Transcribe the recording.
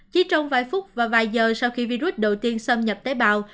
chỉ trong vài phút và vài giờ sau khi virus đầu tiên xâm nhập tế bào